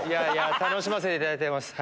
楽しませていただいてます。